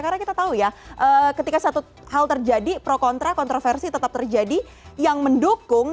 karena kita tahu ya ketika satu hal terjadi pro kontra kontroversi tetap terjadi yang mendukung